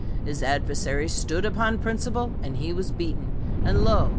His adversary stood upon principle and was beaten; and lo!